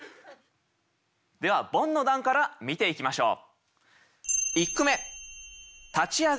ではボンの段から見ていきましょう。